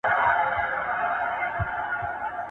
پښتورګي د بدن اضافي مواد تصفیه کوي.